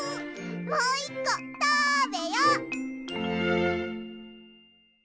もう１こたべよ！